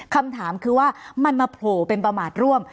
คำถามคือว่ามันมาโผล่เป็นประมาทร่วม